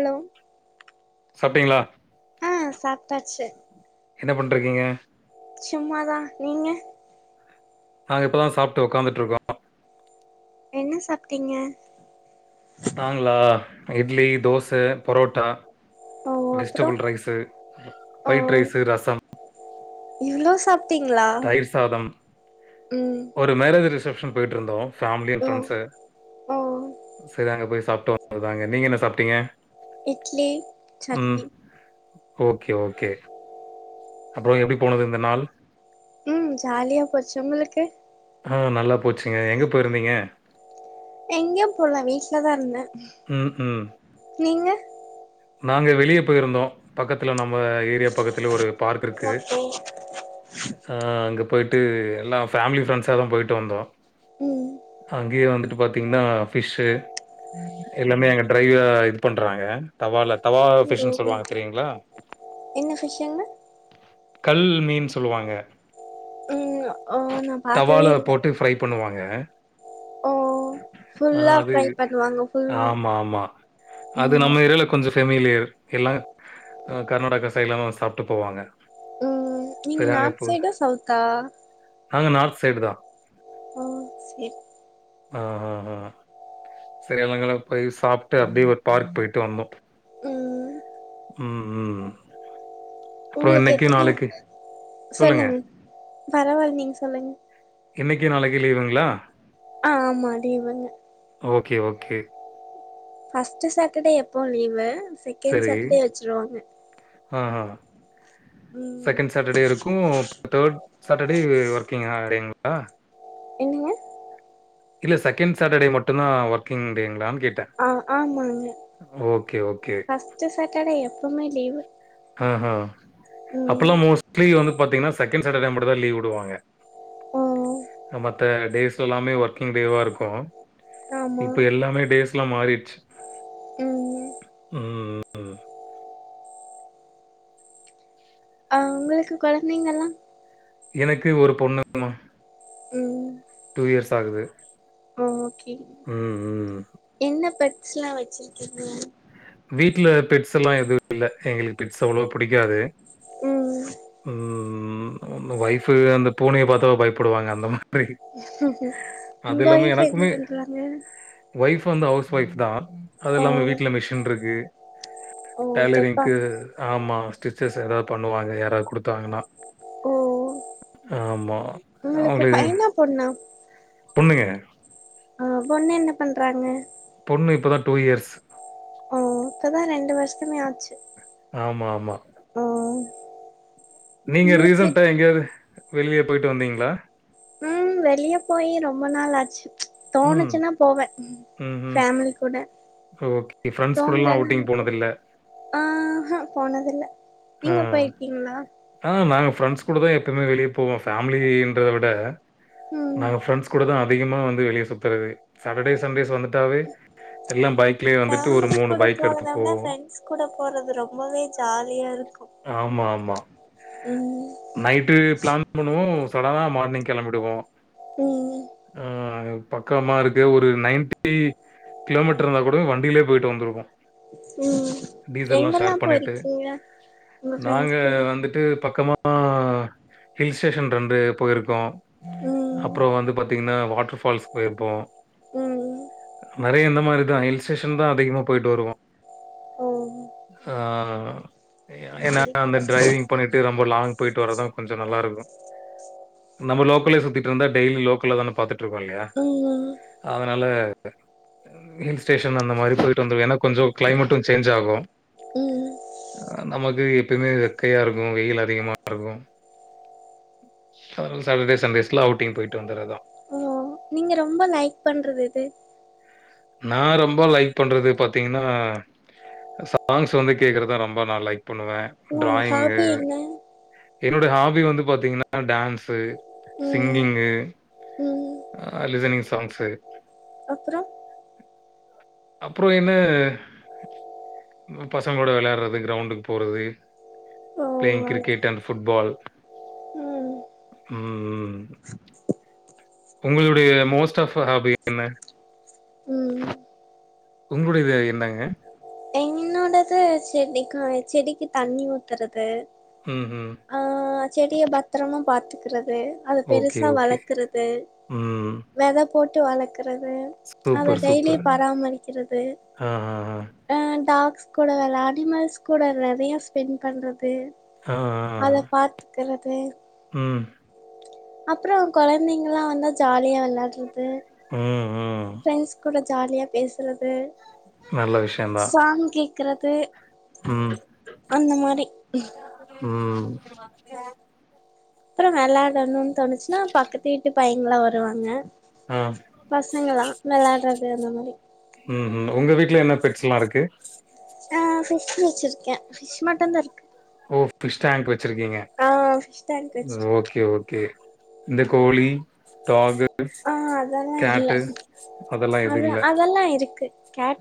Allow சாப்டிங்களா அ சாப்டாச்சு என்ன பண்ட்ருக்கீங்க சும்மா தா நீங்க நாங்க இப்ப தா சாப்ட்டு ஒக்காந்துட்டுருக்கோ என்ன சாப்ட்டீங்க நாங்களா இட்லி தோச பரோட்டா ஓ அப்றோ வெஜ்டபிள் ரைஸு ஓ ஒயிட் ரைஸு ரசம் இவ்ளோ சாப் தயிர் சாதம் ம் ஒரு மேரேஜ் ரிசப்ஷன் போயிட்ருந்தோம் பேமிலி அண்ட் ஓ பிரண்ட்ஸு ஓ சரி அங்க போய் சாப்ட்டு வந்ததுதாங்க நீங்க என்ன சாப்ட்டீங்க இட்லி ம். சட்னி ஓகே ஓகே அப்பறம் எப்டி போனது இந்த நாள் ம் ஜாலியா போச்சி உங்களுக்கு. ஆ நல்லா போச்சுங்க எங்கே போய்ருந்திங்க. எங்கியு போல வீட்லதா இருந்த ம், ம். நீங்க. நாங்க வெளிய போயிருந்தோ பக்கத்துல நம்ம ஏரியா பக்கத்துல ஒரு பார்க் இருக்கு. ஓகே ஆ அங்க போய்ட்டு எல்லா ஃபேமிலி ஃப்ரெண்ட்ஸாதா போயிட்டு வந்தோ ம் அங்கேயே வந்துட்டு பாத்திங்ன்னா ஃபிஷ்ஷு எல்லாமே எங்க டிரைவ் இது பண்றாங்க தவால தவா ஓ ஃபிஷ்ன்னு சொல்லுவாங்க தெரியுங்களா? என்ன ஃபிஷ்ங்க? கல் மீன் சொல்லுவாங்க. ம் ஆ தவால போட்டு ஃப்ரை பண்ணுவாங்க. ஓ ஆஆ ஃபுல்லா அது ஃப்ரை பண்ணுவாங்க ஃபுல் ஆமா ஆமா அது ம் நம்ம எரல. கொஞ்சோ ஃபெமிலியர் எல்லா கர்நாடகா சைட்லா சாப்ட்டு போவாங்க ம் நீங்க சரி அங்க நார்த் போ சைடா சவுக்கா? நாங்க நார்த் சைடு தா ஓ சேரி ஆ ஆ ஆ செரி எல்லாகல போய் சாப்ட்டு அப்டே ஒரு பார்க் போய்ட்டு வந்தோ ம் ம் ம் இப்ப உங்களுக்கு இன்னைக்கு நாளைக்கு சொல்லுங்க பரவால் நீங் சொல்லுங் இன்னைக்கு நாளைக்கு லீவுங்களா ஆ ஆமா லீவுங்க ஓகே ஓகே. ஃபஸ்ட்டு சாட்டர்டே எப்போ லீவு செகண்ட் சாட்டர்டே வச்சிருவாங்க. ஆ ஆ ம் செகண்ட் சாட்டர்டே இருக்கும் தேர்ட் சாட்டர்டே ஒர்க்கிங்கா டேங்களா. என்னங்க. இல்ல செகண்ட் சாட்டர்டே மட்டுதா ஒர்க்கிங் டேங்களான்னு கேட்ட ஆ ஆமாங்க ஓகே. ஃபஸ்ட்டு சாட்டர்டே எப்பமே லீவு. ஆ ஆ அப்பல்லா ம் மோஸ்ட்லி வந்து பாத்தீங்கன்னா செகண்ட் சாட்டர்டே மட்டு தா லீவு உடுவாங்க. ஓ மத்த டேஸ் எல்லாமே ஒர்க்கிங் டேவா இருக்கும் ஆமா இப்ப எல்லாமே டேஸ் லா மாறிர்ச்சி ம் ம். ஆ உங்களுக்கு குழந்தைங்கல்லா. எனக்கு ஒரு பொண்ணுமா ம் டூ இயர்ஸ் ஆகுது ஓகே ம், ம். என்ன பெட்ஸ்ல்லா வச்சிருக்கிங்க வீட்ல பெட்ஸ்ல்லா எதுவு இல்ல எங்களுக்கு பெட்ஸ் அவ்ளோவ புடிக்காது ம் ம் ஒய்ஃபு அந்த பூனைய பாத்த பயப்படுவாங்க அந்த மாதிரி அது உங்க இல்லாம ஒய்ஃப் என்ன எனக்குமே பன்றாங்க ஒய்ஃப் வந்து ஹவுஸ் ஒய்ஃப் தா அது ஓ இல்லாம வீட்ல மிஷின்ருக்கு ஓ டைலரிங்க்கு தெப்பாங்க ஆமா ஸ்டிச்சஸ் எதாது பண்ணுவாங்க யாராது குடுத்தாங்கன்னா ஓ ஆமா. உங்களுக்கு அவங்களுக்கு பையனா பொண்ணா பொண்ணுங்க ஆ பொண்ணென்ன பண்றாங்க பொண்ணு இப்ப தா டூ இயர்ஸ் ஓ இப்பதா ரெண்டு வருஷமே ஆச்சு ஆமா ஆமா ஓ நீங்க உங்களுக்கு ரீசன்டா எங்கயாது வெளிய போயிட்டு வந்தீங்களா ம் வெளிய போயி ரொம்ப நாள் ஆச்சு ம். தோணுச்சுன்னா போவ ம்ஹ்ம். ஃபேமிலி கூட ஓகே. ஃபிரெண்ட்ஸ் கூடலாம் தோன்லன்னா அவுட்டிங் போனதில்ல. ஆஹா போனதில்ல ஹா நீங்க போயிருக்கீங்களா ஆ நாங்க ஃப்ரெண்ட்ஸ் கூட தா எப்பயுமே வெளிய போவோ ஃபேமிலின்றத விட ம் ஃப்ரெண்ட்ஸ் கூட தா அதிகமா வந்து வெளிய சுத்தறது சாட்டடே சண்டேஸ் வந்து ட்டாவே எல்லா பைக்லயே வந்துட்டு ஒரு ஃபேமிலி மூணு கூட பைக் எடுத்து போறத விட போவோ ஃப்ரெண்ட்ஸ் கூட போறது ரொம்பவே ஜாலியா இருக் ஆமா ஆமா நைட்டு பிளான் பண்ணுவோ சடனா மார்னிங் கெளம்பிடுவோ ம் ஆ பக்கமா இருக்கு ஒரு நைன்டி கிலோமீட்டர்ருந்தா கூடவே வண்டிலியே போய்ட்டு வந்துருக்கோ ம் எங்கல்லாம் பண்ணிட்டு. போயிருக்கீங்க உங்க நாங்க ஃப்ரெண்ட்ஸ் கூட வந்துட்டு பக்கமா ஹில் ஸ்டேஷன் ரெண்டு போயிருக்கோ ம் அப்றோ வந்து பாத்தீங்கன்னா வாட்டர்ஃபால்ஸ் போயிருப்போ ம் நறைய இந்த மாரி தா ஹில்ஸ் சேஷன் தா அதிகமாக போயிட்டு வருவோ ம் ஆ ஏன்னா அந்த டிரைவிங் பண்ணிட்டு ரொம்பலாங் போயிட்டு வரதா கொஞ்சோ நல்லா இருக்கு நம்ம லோக்கல்லே சுத்திட்ருந்தா டெய்லியு லோக்கல்ல தான பாத்துட்ருக்கோ இல்லயா ம் அதனால ஹில் ஸ்டேஷன் அந்த மாரி போய்ட்டு வந்துருவோ ஏனா கொஞ்சோ கிளைமேட்டு சேஞ் ஆகு ம் நமக்கு எப்பயிமே வெக்கையா இருக்கு வெயில் அதிகமா இருக்கு அதனால சாட்டர்டே சண்டேஸ்ல அவுட்டிங் போயிட்டு வந்தரதா ம் நீங்க ரொம்ப லைக் பண்றது எது நா ரொம்போ லைக் பண்றது பாத்தீங்கன்னா சாங்ஸ் வந்து கேக்குறதா ரொம்ப நா லைக் பண்ணுவ உங்க டிராயிங்கு ஹாபி என்ன என்னோட ஹாபி வந்து பாத்தீங்கன்னா டான்ஸு ம் சிங்கிங்கு ம் ஆஹ் லிசனிங் சாங்ஸு அப்றோ அப்றோ என்ன ம் பசங்களோட வெளையாட்றது கிரௌண்டுக் போறது. ஓ பிளேயிங் அது. கிரிக்கெட் அண்ட் ஃபுட்பால் ம் ம் ம். உங்களுடைய மோஸ்ட் ஆஃப் ஹாபி என்ன? ம் உங்ளுடையது என்னங்க? என்னோடது செடிக்கா செடிக்கி தண்ணி ஊத்தறது ம்ஹ்ம். ஆ செடியை பத் திரமா பாத்துக்றது அத ஓகே, பெருசா ஓகே. வளக்குறது. ம். வெத போட்டு வளக்கறது அத சூப்பர், ம். டெய்லியு சூப்பர். பராமரிக்கிறது. ஆ, அ டாக்ஸ் கூட வெளயாடி அனிமல்ஸ் கூட நெறைய ஸ்பெண் பண்றது. ஆ, ஆ, ஆ, ஆ. அத பாத்துக்கறது. ம். அப்றோ கொழந்தைங்கல்லா வந்தா ஜாலியா வெளாட்றது. ம் ம் ஃப்ரெண்ட்ஸ் கூட ஜாலியா பேசுறது. நல்ல விஷயம் தான். சாங் கேக்கறது. ம், அந்த மாரி. ம். [inaudible] அப்புறோ வெளையாடணுன் தோணுச்சுனா பக்கத்து வீட்டு பையங்ளா வருவாங்க. ஆ, பசங்களா வெளாட்றது அந்த மாரி. ம் ம் உங்க வீட்ல என்ன பெட்ஸ் எல்லா இருக்கு? அ ஃபிஷ் வெச்சிருக்கே ஃபிஷ் மட்டுந்தாருக்கு. ஓ பிஸ் டேங்க் வெச்சிருக்கிங்க. அ ஃபிஷ் டேங்க் வெச்சுரு கே ஓகே இந்த கோழி, டாகு ஆ அதெல்லா கேட்டு அதெல்லா எது இல்ல. எல்லா இருக்கு.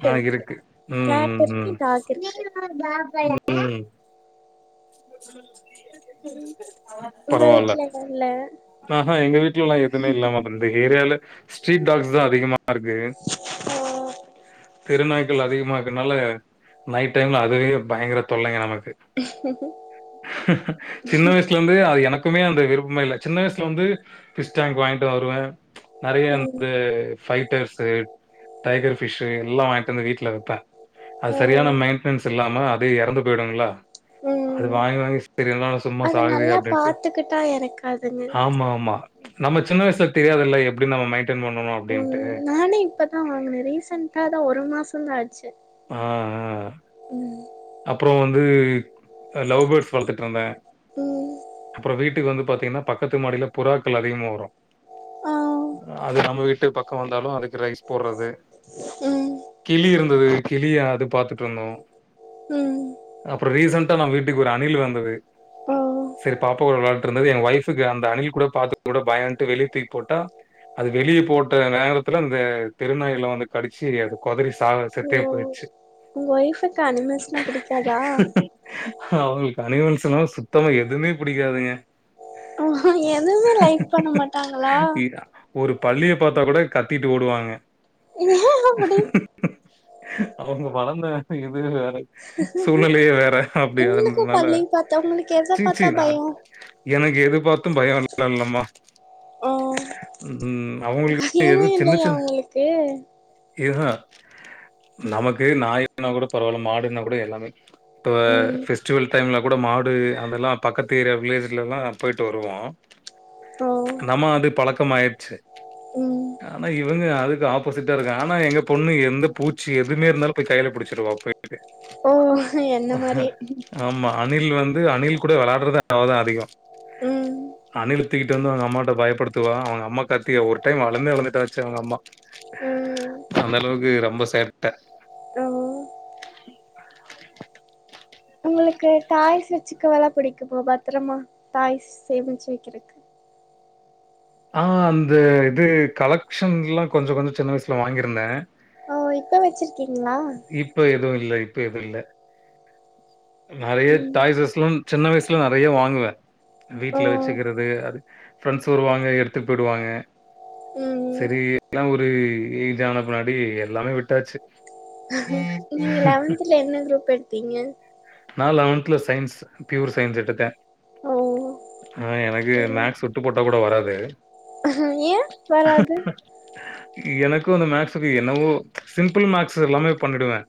ஆ இருக்கு ம் கேட் ம் இருக்கு ம் டாக் இருக்கு ம். உங்க பரவால்ல வீட்ல என்ன இல்ல ஆஹா எங்க வீட்ல எல்லா எதுமே இல்லம்மா. இந்த ஏரியால ஸ்ட்ரீட் டாக்ஸ் தா அதிகமா ருக்கு. ஆ தெருநாய்கள் அதிகமா இருக்கனால நைட் டைம்ல அதுவே பயங்கர தொல்லைங்க நமக்கு. சின்ன வய்ஸ் லந்தே அது எனக்குமே அந்த விருப்பமே இல்ல சின்ன வயசுல வந்து பிஸ் டேங்க் வாய்ங்ட்டு வருவே. நறைய ம் வந்து ஃபைட்டர்ஸு டைகர் ஃபிஷு எல்லா வாய்ட்டு வந்து வீட்ல வெப்பே. அது சரியான ஆ மெயின்ட்னன்ஸ் இல்லாம அதே எறந்து போய்டுமில்ல. அது ம் வாங்கி வாங்கி [inaudible] சும்மா அத சாகுதே நல்லா அப்டின்ட்டு பாத்துக்கிட்டா இறக்காதுங்க ஆமா ஆமா. நம்ம சின்ன வயசுல தெரியதுல்ல எப்டி நம்ம மெய்ன்டென் பண்ணணு. உ நானே இப்பதா வாங்குனே ரீசன்ட்டாதா ஒரு மாசந்தா ஆச்சு. ஆ ஆ. ம். அப்புறோ வந்து அ லவ் பேட்ஸ் வளத்துட்ருந்தே. ம் அப்புறோ வீட்டுக்கு வந்து பாத்தீங்கன்னா பக்கத்து மாடில புறாக்கள் அதிகமா வரு. ஆ அது நம்ம வீட்டு பக்கோ வந்தாலு அதுக்கு ரைஸ் போட்றது. ம் கிளி இருந்தது கிளியா அது பாத்துட்டு வந்தோ ம் அப்றோ ரீசண்டா நம்ம வீட்டுக்கு ஒரு அணில் வந்தது ஓ செரி பாப்பா கூட வெளாடிட்டு இருந்தது ஏ ஒய்ஃப்க்கு அந்த அணில் கூட பாத்த கூட பயோன்டு வெளிய தூக்கி போட்டா அது வெளிய போட்ட நேரத்துல அந்த தெரு நாய்ல வந்து கடிச்சி அது கொதறி சாக செத்தே ஓ போய்டுச்சி உங்க ஒய்ஃபுக்கு அனிமல்ஸ்னா புடிக்காதா அவங்களுக்கு அனிமல்ஸ்னா சுத்தமா எதுவுமே புடிக்காதுங்க எதுவுமே லைக் பண்ண மாட்டாங்ளா இ ஒரு பல்லிய பாத்தா கூட கத்திகிட்டு ஓடுவாங்க ஏ அப்டி அவங்க வளர்ந்த இது வேற சூழ்நிலையே வேற அப்டி உங்களுக்கு அதனால பல்லி பாத்தா உங்களுக்கு எத சீச்சீ பாத்தா பயோ எனக்கு எது பாத்து பயம் எல்லா இல்லம்மா ஓ ம் அவங்களுக்கு எது பயமே சின்ன இல்லையா சின்ன உங்களுக்கு ஹீக நமக்கு நாயனா கூட பரவாயில்ல மாடுனா கூட எல்லாமே இப்போ ம் ஃபெஸ்டிவல் டைம்ல கூட மாடு அதுதெல்லா பக்கத்து ஏரியா வில்லேஜ்ல எல்லா போயிட்டு வருவோ ஓ நம்ம அது பழக்கம் ஆயிடுச்சி ம் ஆனா இவங்க அதுக்கு ஆப்போசிட்டா இருக்கங்க ஆனா எங்க பொண்ணு எந்த பூச்சி எதுவுமே இருந்தாலு போய் கையில புடிச்சிருவா போய் [inaudible] ஓ என்ன மாரியே ஆமா அணில் வந்து அணில் கூட வெளாடுறதே அவதா அதிகோ ம் அணில் தூக்கிட்டு வந்து அவங்க அம்மா கிட்ட பயப்படுத்துவா அவங்க அம்மா கத்தி ஒரு டைம் அழுதே அழுதுட்டாச்சி அவங்க அம்மா ம் அந்த அளவுக்கு ரொம்ப சேட்ட ஓ உங்களுக்கு டாய்ஸ் வெச்சிக்கவல்லா புடிக்கும்மா பத்திரமா டாய்ஸ் சேமிச்சு வைக்கிறக்கு ஆ அந்த இது கலெக்க்ஷன் எல்லா கொஞ்சோ கொஞ்சோ சின்ன வயசுல வாங்கியிருந்தே ஓ இப்ப வெச்சிருக்கீங்ளா இப்ப எதுவு இல்ல இப்ப எதுவு இல்ல நெறைய ம் டாய்ஸ்லா சின்ன வயசுல நெறைய வாங்குவே ஓ வீட்ல வெச்சிக்கிறது அது ப்ரெண்ட்ஸ் வருவாங்க எடுத்ட்டு போய்டுவாங்க ம் செரி எல்லா ஒரு ஏஜ் ஆன பின்னாடி எல்லாமே விட்டாச்சு நீங்க லெவன்த்ல என்ன குரூப் எடுத்தீங்க நா லெவன்த்ல சயின்ஸ் பியூர் சயின்ஸ் எடுத்தே ஓ ஆ எனக்கு ம் மேக்ஸ் சுட்டு போட்டா கூட வராது ஏ வராது எனக்கு அந்த மேக்சுக்கு என்னவோ சிம்பிள் மேக்ஸ் எல்லாமே பண்ணிடுவே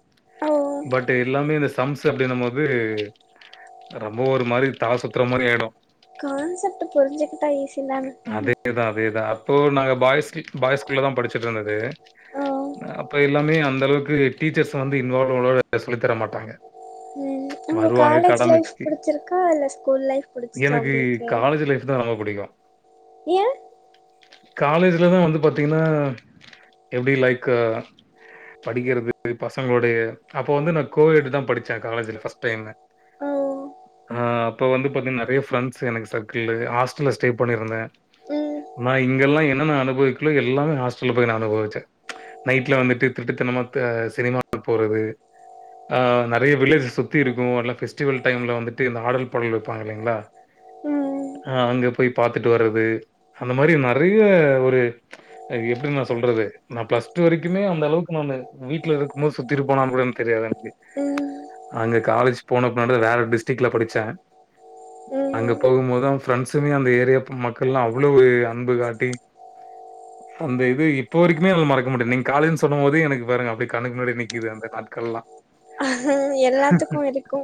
ஓ பட் எல்லாமே இந்த சம்ஸ் [unintelligible] அப்டின்னு போது ரொம்ப ஒரு மாரி தல சுத்துற மாரி ஆயிடு [unintelligible] புரிஞ்சுகிட்டா ஈஸி தான அதேதா அதேதா அப்போ நாங்க பாய்ஸ் பாய் ஸ்கூல் தா படிச்சிட்டு இருந்தது ஓ அப்ப எல்லாமே அந்த அளவுக்கு டீச்சர்ஸ் வந்து இன்வால்வ்ளோட சொல்லித்தர மாட்டாங்க ம் உங்க வருவாங்க காலேஜ் லைஃப் கடமைக்கு. புடிச்சிருக்கா இல்ல ஸ்கூல் லைஃப் புடிச்சிச்ச எனக்கு உங்ளுக்கு [unintelligible] ரொம்ப புடிக்கு ஏ காலேஜ்லதா வந்து பாத்தீங்கன்னா எப்டி லைக்கு படிக்கிறது பசங்களோட அப்ப வந்து நா கோவிட் தான் படிச்சேன் காலேஜ்ல ஃபஸ்ட் டைமு ஆ ஆ அப்ப வந்து பாத்தீங்க நிறைய ஃப்ரெண்ட்ஸ் எனக்கு சர்க்கிள்லு ஹாஸ்டல்ல ஸ்டே பண்ணியிருந்தேன் ம் நா இங்கெல்லாம் என்னென்ன அனுபவிக்களோ எல்லாமே ஹாஸ்டல்ல போய் நா அனுபவிச்சேன் நைட்ல வந்துட்டு திருட்டுத்தனமா த சினிமா போறது அ நெறைய வில்லேஜ் சுத்தி இருக்கும் அதல்லாம் ஃபெஸ்டிவல் டைம்ல் வந்துட்டு இந்த ஆடல் பாடல் வைப்பாங்க இல்லைங்ளா ம் அ அங்க போய் பாத்துட்டு வர்றது அந்த மாதிரி நெறைய ஒரு அது எப்படி நா சொல்றது நா பிளஸ் டூ வரைக்குமே அந்த அளவுக்கு நானு வீட்ல இருக்கும் போது சுத்திட்டு போனான் கூட என்கு தெரியாது எனக்கு ம் அங்க காலேஜ் போனக்குன வேற டிஸ்ட்டிக்ல படிச்சேன் அங்க ம் போகும் போதும் ஃப்ரெண்ட்ஸுமே அந்த ஏ ரியாப்பு மக்கள்லா அவ்வளவு அன்பு காட்டி அந்த இது இப்போ வரைமே என்னால மறக்க முடிய நீங்க காலன்னு சொன்னும்ப போதே எனக்கு பாருங்க அப்படி கண்ணுக்கு முன்னாடி நிக்குது அந்த நாட்கள்லாம் எல்லாத்துக்கு இருக்கு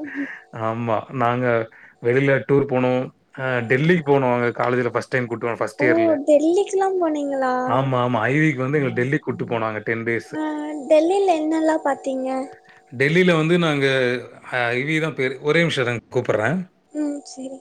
ஆமா நாங்க வெளியில டூர் போனோம் அ டெல்லிக்கு போனோம் அங்க காலேஜ்ல ஃபஸ்ட் டைம் கூட்டு போ ஃபஸ் ஓ டெல்லிக்குல்லா போனீங்களா ஆமா, ஆமா ஐ வி க்கு வந்து எங்கள டெல்லி கூட்டு போனாங்க டென் டேஸ் ஆ டெல்லில என்னெல்லா பாத்தீங்க டெல்லியில வந்து நாங்க அ ஐ வி தான் பெயிர் ஒரே நிமிஷ் இருங்க கூப்புட்றே ம் செரி